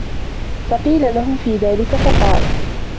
فَقِيلَ لَهُ فِي ذَلِكَ فَقَالَ